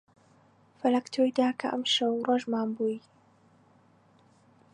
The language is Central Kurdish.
فەلەک تۆی دا کە ئەمشەو ڕۆژمان بووی